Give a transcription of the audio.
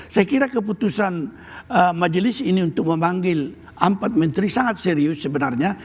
saya kira keputusan majelis ini untuk memanggil empat menteri sangat serius sebenarnya